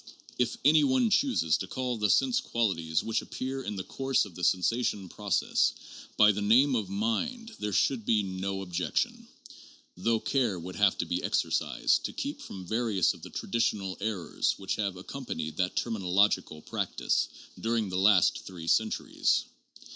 If any one chooses to call the sense qualities which appear in the course of the sensation processes by the name of mind, there should be no objection — though care would have to be exercised to keep from various of the traditional errors which have accompanied that termin ological practise during the last three centuries.